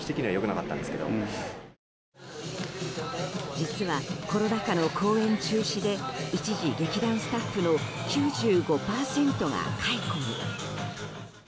実はコロナ禍の公演中止で一時、劇団スタッフの９５％が解雇に。